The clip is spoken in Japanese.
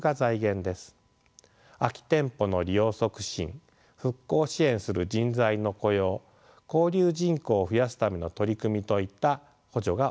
空き店舗の利用促進復興支援する人材の雇用交流人口を増やすための取り組みといった補助が行われました。